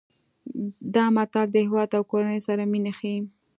دا متل د هیواد او کورنۍ سره مینه ښيي